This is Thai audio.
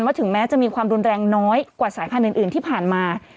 ถึงแม้จะมีความรุนแรงน้อยกว่าสายพันธุ์อื่นที่ผ่านมา